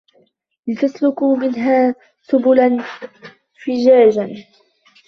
لِتَسلُكوا مِنها سُبُلًا فِجاجًا